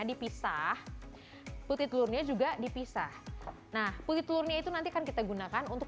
dipisah putih telurnya juga dipisah nah putih telurnya itu nanti akan kita gunakan untuk